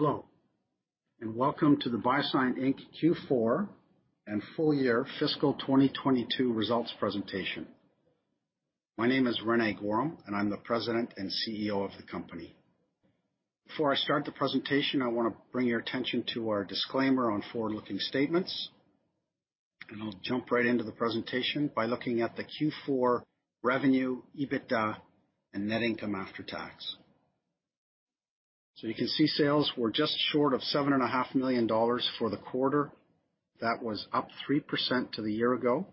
Hello, welcome to the BioSyent Inc. Q4 and full year fiscal 2022 results presentation. My name is René Goehrum, and I'm the President and CEO of the company. Before I start the presentation, I wanna bring your attention to our disclaimer on forward-looking statements, and I'll jump right into the presentation by looking at the Q4 revenue, EBITDA, and net income after tax. You can see sales were just short of 7.5 million dollars for the quarter. That was up 3% to the year ago.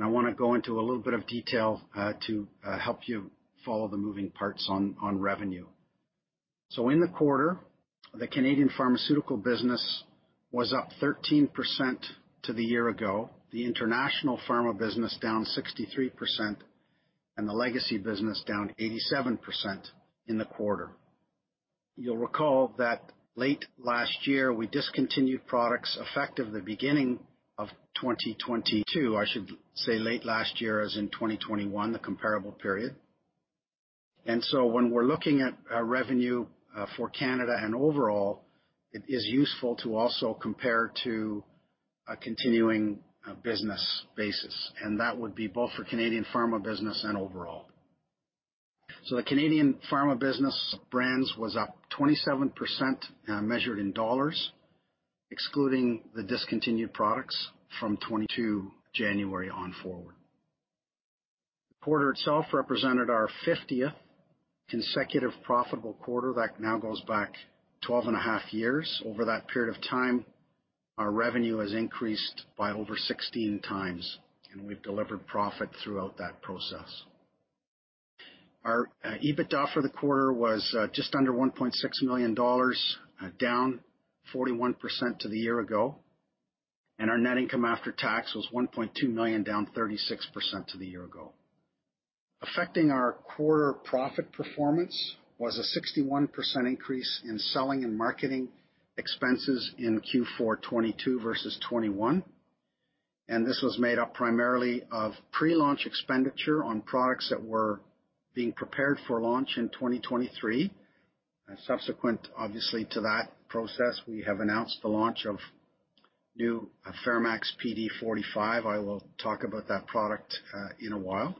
I wanna go into a little bit of detail to help you follow the moving parts on revenue. In the quarter, the Canadian pharmaceutical business was up 13% to the year ago. The international pharma business down 63%, and the legacy business down 87% in the quarter. You'll recall that late last year, we discontinued products effective the beginning of 2022. I should say late last year as in 2021, the comparable period. When we're looking at revenue for Canada and overall, it is useful to also compare to a continuing business basis, and that would be both for Canadian pharma business and overall. The Canadian pharma business brands was up 27%, measured in dollars, excluding the discontinued products from 2022 January on forward. The quarter itself represented our 50th consecutive profitable quarter that now goes back 12.5 Years. Over that period of time, our revenue has increased by over 16x, and we've delivered profit throughout that process. Our EBITDA for the quarter was just under 1.6 million dollars, down 41% to the year ago. Our net income after tax was 1.2 million, down 36% to the year ago. Affecting our quarter profit performance was a 61% increase in selling and marketing expenses in Q4 2022 versus 2021. This was made up primarily of pre-launch expenditure on products that were being prepared for launch in 2023. Subsequent, obviously, to that process, we have announced the launch of new FeraMAX Pd 45. I will talk about that product in a while.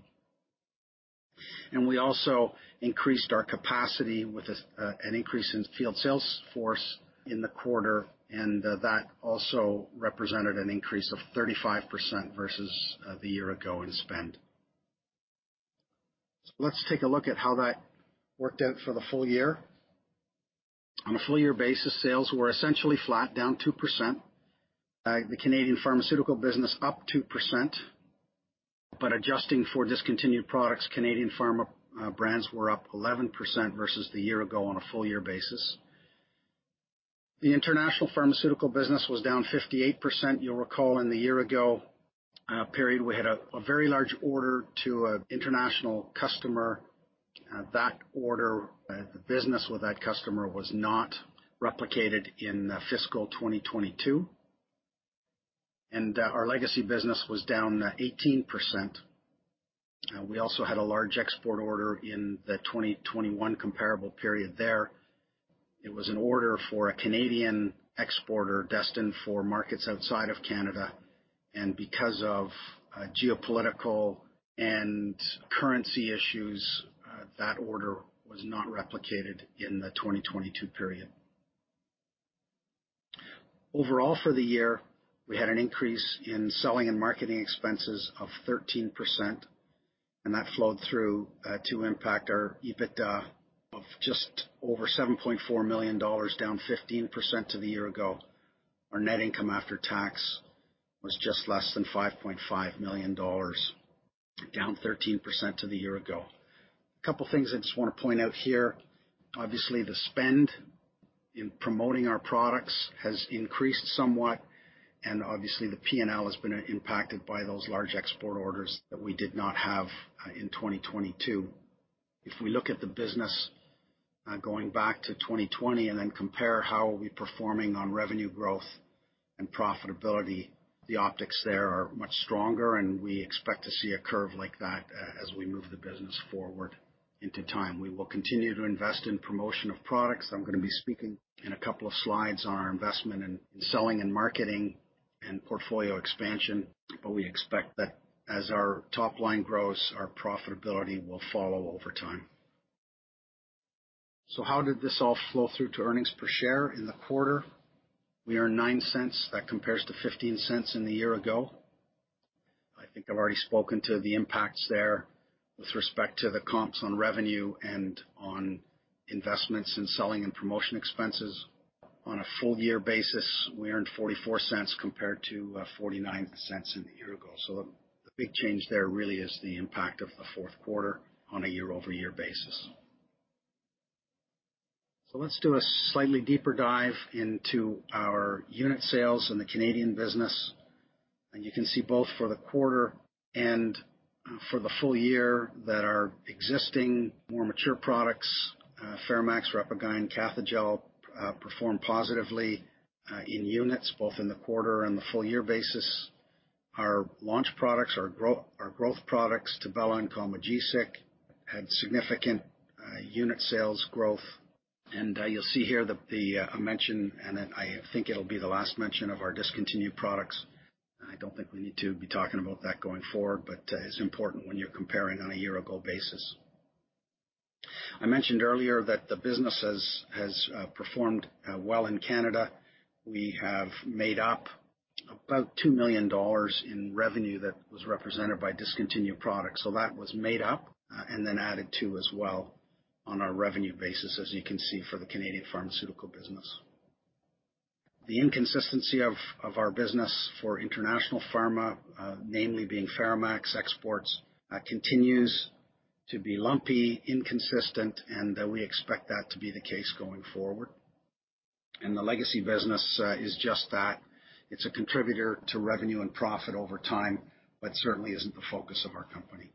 We also increased our capacity with this, an increase in field sales force in the quarter, and that also represented an increase of 35% versus the year ago in spend. Let's take a look at how that worked out for the full year. On a full year basis, sales were essentially flat, down 2%. The Canadian pharmaceutical business up 2%. Adjusting for discontinued products, Canadian pharma brands were up 11% versus the year ago on a full year basis. The international pharmaceutical business was down 58%. You'll recall in the year ago period, we had a very large order to an international customer. That order, the business with that customer was not replicated in fiscal 2022. Our legacy business was down 18%. We also had a large export order in the 2021 comparable period there. It was an order for a Canadian exporter destined for markets outside of Canada. Because of geopolitical and currency issues, that order was not replicated in the 2022 period. Overall, for the year, we had an increase in selling and marketing expenses of 13%. That flowed through to impact our EBITDA of just over 7.4 million dollars, down 15% to the year ago. Our net income after tax was just less than 5.5 million dollars, down 13% to the year ago. A couple of things I just wanna point out here. Obviously, the spend in promoting our products has increased somewhat. Obviously, the P&L has been impacted by those large export orders that we did not have in 2022. If we look at the business, going back to 2020 and then compare how are we performing on revenue growth and profitability, the optics there are much stronger. We expect to see a curve like that as we move the business forward into time. We will continue to invest in promotion of products. I'm gonna be speaking in a couple of slides on our investment in selling and marketing and portfolio expansion, but we expect that as our top line grows, our profitability will follow over time. How did this all flow through to earnings per share in the quarter? We earned 0.09. That compares to 0.15 in the year ago. I think I've already spoken to the impacts there with respect to the comps on revenue and on investments in selling and promotion expenses. On a full year basis, we earned 0.44 compared to 0.49 in the year ago. The big change there really is the impact of the fourth quarter on a year-over-year basis. Let's do a slightly deeper dive into our unit sales in the Canadian business. You can see both for the quarter and for the full year that our existing more mature products, FeraMAX, RepaGyn, Cathejell, performed positively in units, both in the quarter and the full year basis. Our launch products, our growth products, Tibella and Combogesic, had significant unit sales growth. You'll see here the mention, and then I think it'll be the last mention of our discontinued products. I don't think we need to be talking about that going forward, but it's important when you're comparing on a year-ago basis. I mentioned earlier that the business has performed well in Canada. We have made up about 2 million dollars in revenue that was represented by discontinued products. That was made up, and then added to as well on our revenue basis, as you can see for the Canadian pharmaceutical business. The inconsistency of our business for international pharma, namely being FeraMAX exports, continues to be lumpy, inconsistent, and we expect that to be the case going forward. The legacy business is just that. It's a contributor to revenue and profit over time, but certainly isn't the focus of our company.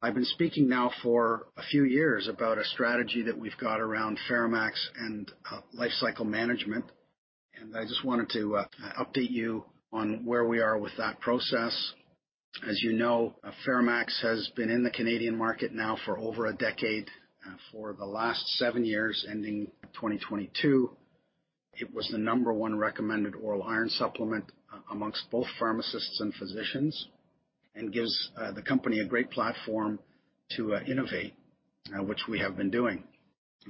I've been speaking now for a few years about a strategy that we've got around FeraMAX and lifecycle management, and I just wanted to update you on where we are with that process. As you know, FeraMAX has been in the Canadian market now for over a decade. For the last seven years, ending 2022, it was the number one recommended oral iron supplement amongst both pharmacists and physicians, and gives the company a great platform to innovate, which we have been doing.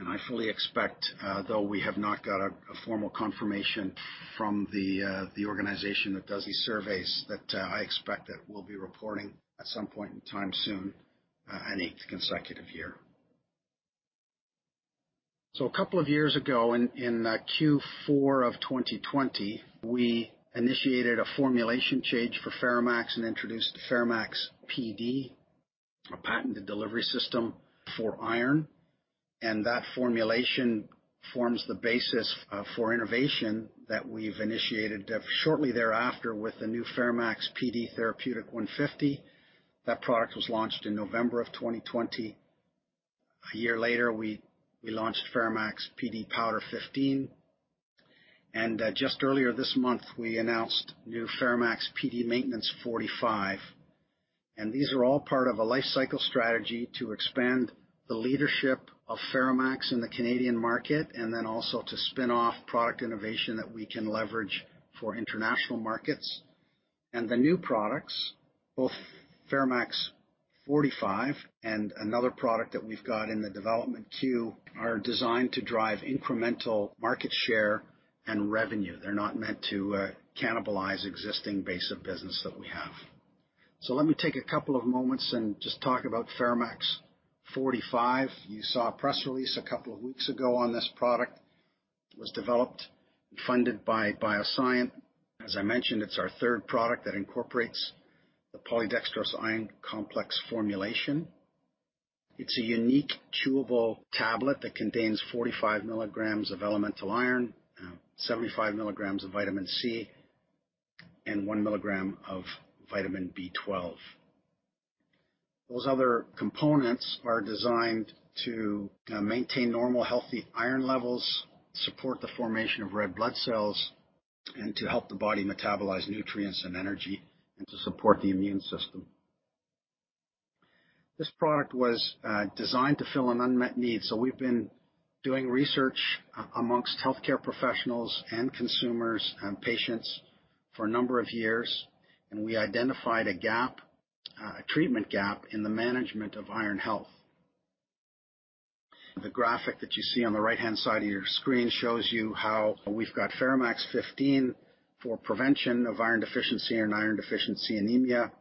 I fully expect, though we have not got a formal confirmation from the organization that does these surveys, I expect that we'll be reporting at some point in time soon an eighth consecutive year. A couple of years ago, in Q4 of 2020, we initiated a formulation change for FeraMAX and introduced FeraMAX Pd, a patented delivery system for iron. That formulation forms the basis for innovation that we've initiated shortly thereafter with the new FeraMAX Pd Therapeutic 150. That product was launched in November of 2020. A year later, we launched FeraMAX Pd Powder 15. Just earlier this month, we announced new FeraMAX Pd Maintenance 45. These are all part of a life cycle strategy to expand the leadership of FeraMAX in the Canadian market, and then also to spin off product innovation that we can leverage for international markets. The new products, both FeraMAX 45 and another product that we've got in the development queue, are designed to drive incremental market share and revenue. They're not meant to cannibalize existing base of business that we have. Let me take a couple of moments and just talk about FeraMAX 45. You saw a press release a couple of weeks ago on this product. It was developed and funded by BioSyent. As I mentioned, it's our third product that incorporates the Polydextrose Iron Complex formulation. It's a unique chewable tablet that contains 45 mg of elemental iron, 75 mg of vitamin C, and 1 mg of vitamin B12. Those other components are designed to maintain normal, healthy iron levels, support the formation of red blood cells, and to help the body metabolize nutrients and energy, and to support the immune system. This product was designed to fill an unmet need. We've been doing research amongst healthcare professionals and consumers and patients for a number of years, and we identified a gap, a treatment gap in the management of iron health. The graphic that you see on the right-hand side of your screen shows you how we've got FeraMAX 15 for prevention of iron deficiency and iron deficiency anemia.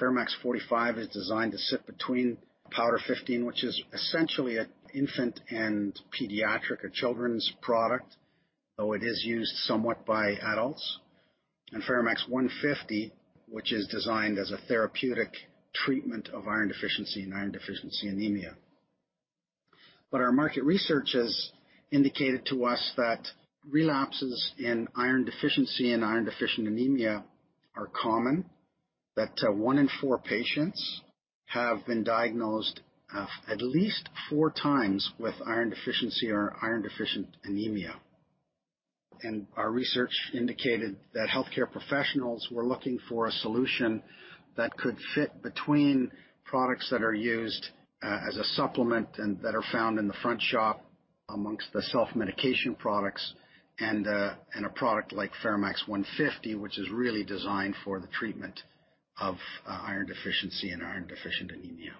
FeraMAX 45 is designed to sit between Powder 15, which is essentially an infant and pediatric or children's product, though it is used somewhat by adults. FeraMAX 150, which is designed as a therapeutic treatment of iron deficiency and iron deficiency anemia. Our market research has indicated to us that relapses in iron deficiency and iron deficiency anemia are common, that one in four patients have been diagnosed at least 4 times with iron deficiency or iron deficiency anemia. Our research indicated that healthcare professionals were looking for a solution that could fit between products that are used as a supplement and that are found in the front shop amongst the self-medication products, and a product like FeraMAX 150, which is really designed for the treatment of iron deficiency and iron deficiency anemia.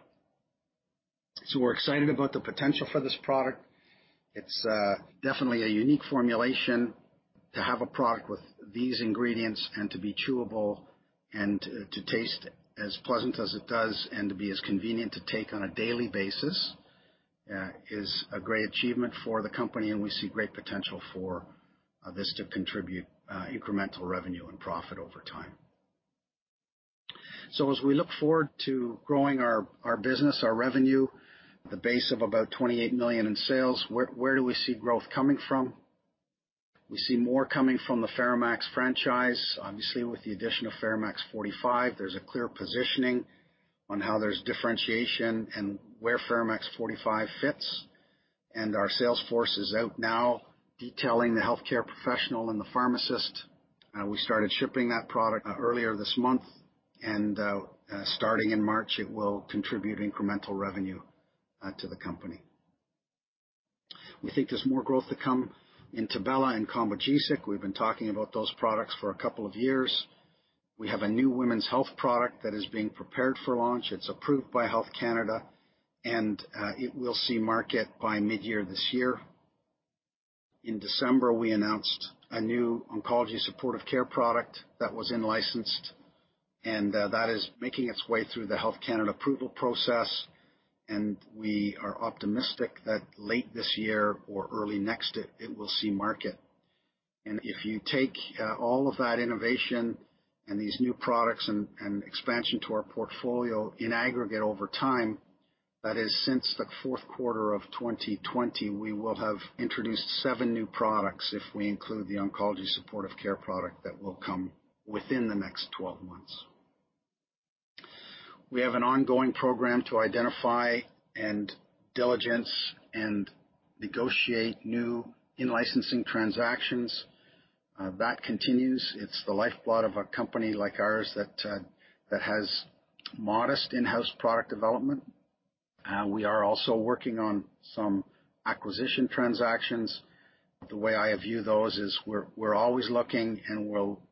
We're excited about the potential for this product. It's definitely a unique formulation. To have a product with these ingredients and to be chewable and to taste as pleasant as it does and to be as convenient to take on a daily basis is a great achievement for the company, and we see great potential for this to contribute incremental revenue and profit over time. As we look forward to growing our business, our revenue, the base of about 28 million in sales, where do we see growth coming from? We see more coming from the FeraMAX franchise. Obviously, with the addition of FeraMAX Pd Maintenance 45, there's a clear positioning on how there's differentiation and where FeraMAX Pd Maintenance 45 fits. Our sales force is out now detailing the healthcare professional and the pharmacist. We started shipping that product earlier this month. Starting in March, it will contribute incremental revenue to the company. We think there's more growth to come in Tibella and Combogesic. We've been talking about those products for a couple of years. We have a new women's health product that is being prepared for launch. It's approved by Health Canada. It will see market by mid-year this year. In December, we announced a new oncology supportive care product that was in-licensed. That is making its way through the Health Canada approval process, and we are optimistic that late this year or early next it will see market. If you take, all of that innovation and these new products and expansion to our portfolio in aggregate over time, that is, since the fourth quarter of 2020, we will have introduced seven new products if we include the oncology supportive care product that will come within the next 12 months. We have an ongoing program to identify and diligence and negotiate new in-licensing transactions. That continues. It's the lifeblood of a company like ours that has modest in-house product development. We are also working on some acquisition transactions. The way I view those is we're always looking, and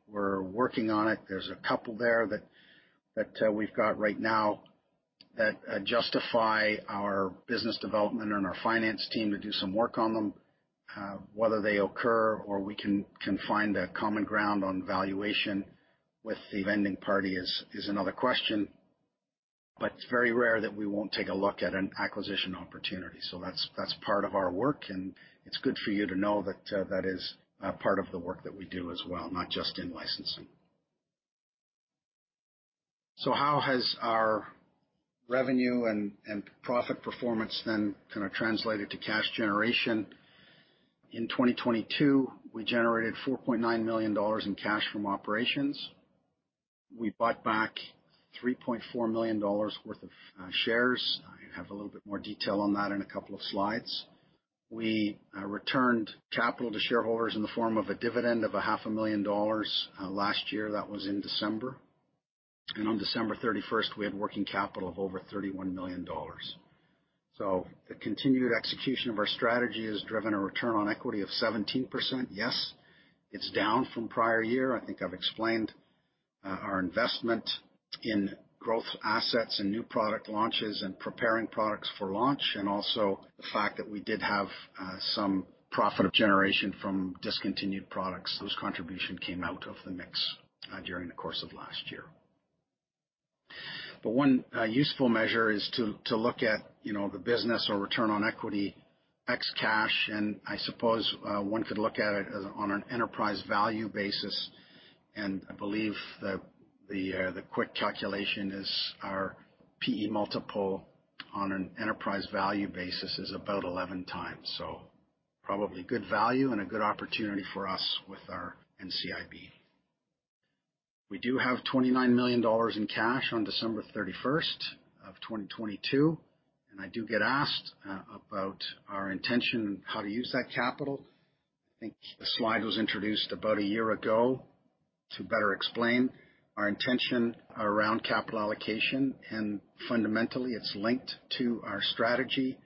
we're working on it. There's a couple there that we've got right now that justify our business development and our finance team to do some work on them. Whether they occur or we can find a common ground on valuation with the vending party is another question, but it's very rare that we won't take a look at an acquisition opportunity. That's part of our work, and it's good for you to know that that is part of the work that we do as well, not just in licensing. How has our revenue and profit performance then kinda translated to cash generation? In 2022, we generated 4.9 million dollars in cash from operations. We bought back 3.4 million dollars worth of shares. I have a little bit more detail on that in a couple of slides. We returned capital to shareholders in the form of a dividend of $500,000 last year. That was in December. On December 31st, we had working capital of over 31 million dollars. The continued execution of our strategy has driven a return on equity of 17%. Yes, it's down from prior year. I think I've explained our investment in growth assets and new product launches and preparing products for launch, and also the fact that we did have some profit generation from discontinued products. Those contribution came out of the mix during the course of last year. One useful measure is to look at the business or return on equity ex cash, and I suppose one could look at it as on an enterprise value basis. I believe the quick calculation is our PE multiple on an enterprise value basis is about 11 times. Probably good value and a good opportunity for us with our NCIB. We do have $29 million in cash on December thirty-first of 2022. I do get asked about our intention, how to use that capital. I think the slide was introduced about a year ago to better explain our intention around capital allocation. Fundamentally it's linked to our strategy.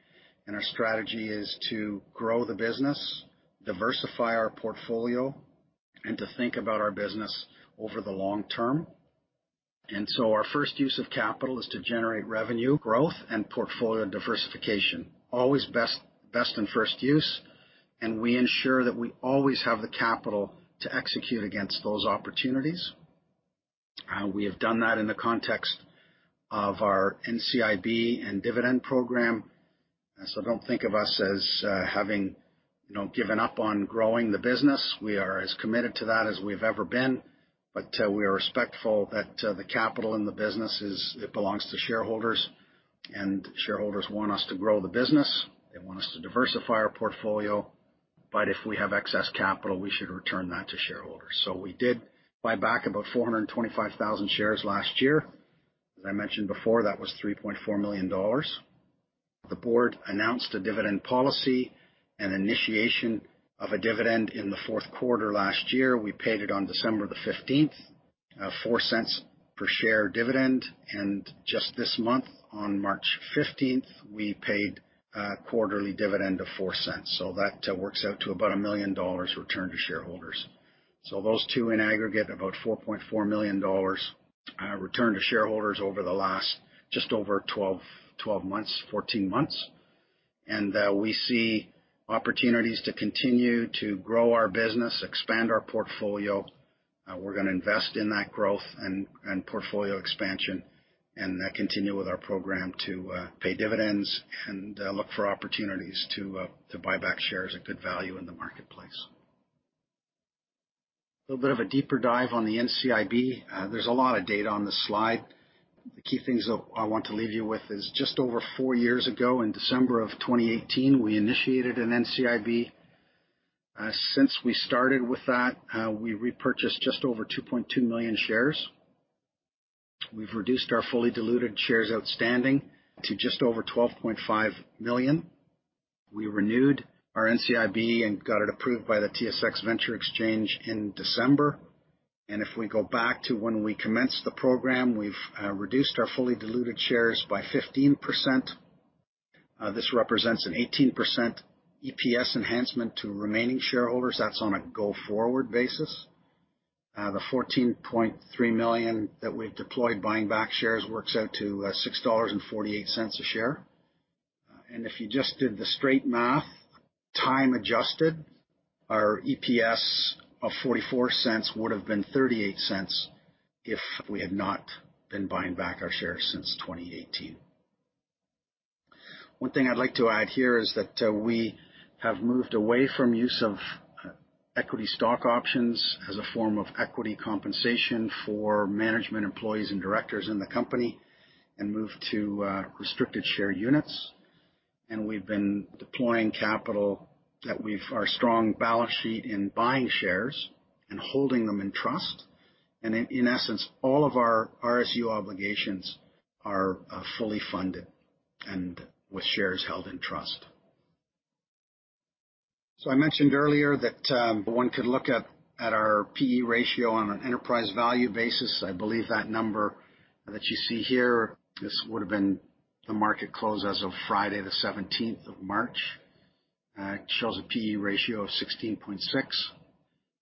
Our strategy is to grow the business, diversify our portfolio, and to think about our business over the long term. Our first use of capital is to generate revenue growth and portfolio diversification. Always best and first use, and we ensure that we always have the capital to execute against those opportunities. We have done that in the context of our NCIB and dividend program. Don't think of us as, you know, given up on growing the business. We are as committed to that as we've ever been, we are respectful that the capital in the business belongs to shareholders, and shareholders want us to grow the business. They want us to diversify our portfolio. If we have excess capital, we should return that to shareholders. We did buy back about 425,000 shares last year. As I mentioned before, that was 3.4 million dollars. The board announced a dividend policy and initiation of a dividend in the fourth quarter last year. We paid it on December 15th, a 0.04 per share dividend. Just this month, on March 15th, we paid a quarterly dividend of 0.04. That works out to about 1 million dollars returned to shareholders. Those two in aggregate, about 4.4 million dollars, returned to shareholders over the last just over 12, 14 months. We see opportunities to continue to grow our business, expand our portfolio. We're gonna invest in that growth and portfolio expansion and continue with our program to pay dividends and look for opportunities to buy back shares at good value in the marketplace. A little bit of a deeper dive on the NCIB. There's a lot of data on this slide. The key things I want to leave you with is just over four years ago, in December of 2018, we initiated an NCIB. Since we started with that, we repurchased just over 2.2 million shares. We've reduced our fully diluted shares outstanding to just over 12.5 million. We renewed our NCIB and got it approved by the TSX Venture Exchange in December. If we go back to when we commenced the program, we've reduced our fully diluted shares by 15%. This represents an 18% EPS enhancement to remaining shareholders. That's on a go-forward basis. The 14.3 million that we've deployed buying back shares works out to 6.48 dollars a share. If you just did the straight math, time-adjusted, our EPS of 0.44 would have been 0.38 if we had not been buying back our shares since 2018. One thing I'd like to add here is that we have moved away from use of equity stock options as a form of equity compensation for management employees and directors in the company and moved to restricted share units. We've been deploying capital Our strong balance sheet in buying shares and holding them in trust. In essence, all of our RSU obligations are fully funded and with shares held in trust. I mentioned earlier that one could look at our P/E ratio on an enterprise value basis. I believe that number that you see here, this would have been the market close as of Friday the 17th of March. It shows a P/E ratio of 16.6.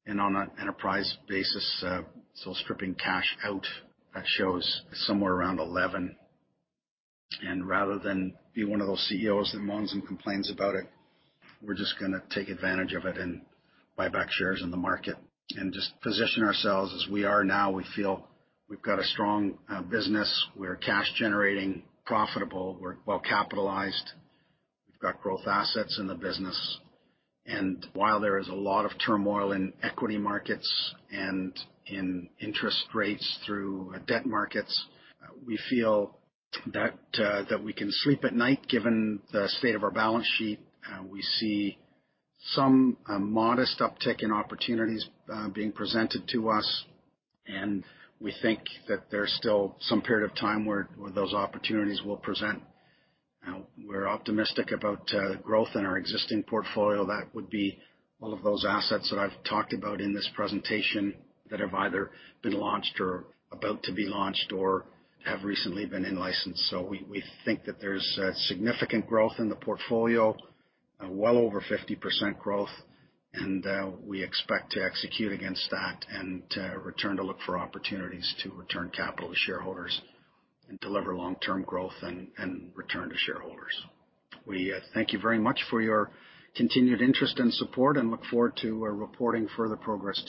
On an enterprise basis, stripping cash out, that shows somewhere around 11. Rather than be one of those CEOs that moans and complains about it, we're just gonna take advantage of it and buy back shares in the market and just position ourselves as we are now. We feel we've got a strong business. We're cash generating profitable. We're well capitalized. We've got growth assets in the business. While there is a lot of turmoil in equity markets and in interest rates through debt markets, we feel that we can sleep at night given the state of our balance sheet. We see some modest uptick in opportunities being presented to us, and we think that there's still some period of time where those opportunities will present. We're optimistic about growth in our existing portfolio. That would be all of those assets that I've talked about in this presentation that have either been launched or about to be launched or have recently been in license. We think that there's significant growth in the portfolio, well over 50% growth, and we expect to execute against that and to return to look for opportunities to return capital to shareholders and deliver long-term growth and return to shareholders. We thank you very much for your continued interest and support, and look forward to reporting further progress.